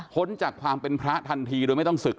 จากความเป็นพระทันทีโดยไม่ต้องศึก